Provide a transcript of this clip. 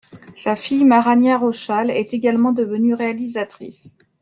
Sa fille Marianna Rochal est également devenue réalisatrice.